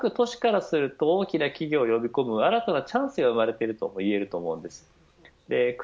これは各都市からすると大きな企業呼び込む新たなチャンスであるといえると思います。